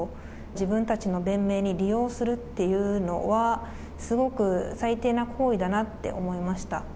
自分たちの弁明に利用するっていうのは、すごく最低な行為だなって思いました。